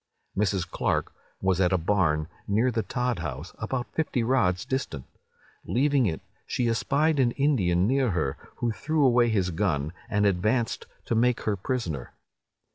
"Mrs. Clark was at a barn, near the Todd house, about fifty rods distant. Leaving it, she espied an Indian near her, who threw away his gun, and advanced to make her prisoner.